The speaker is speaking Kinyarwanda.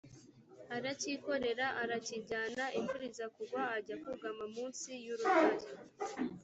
arakikorera arakijyana imvura iza kugwa ajya kugama munsi y’urutare